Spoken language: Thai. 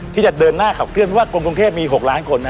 ที่จะเดินหน้าขับเคลื่อนว่ากรมกรุงเทพมี๖ล้านคนนะ